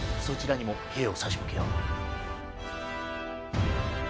そちらにも兵を差し向けよう。